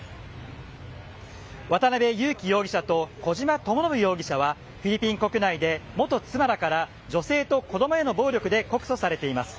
渡辺優樹容疑者と、小島智信容疑者は、フィリピン国内で元妻らから女性と子どもへの暴力で告訴されています。